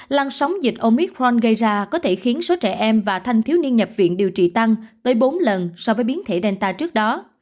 lan sóng dịch omitron gây ra có thể khiến số trẻ em và thanh thiếu niên nhập viện điều trị tăng tới bốn lần so với biến thể delta trước đó